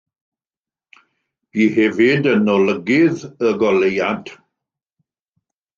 Bu hefyd yn olygydd Y Goleuad.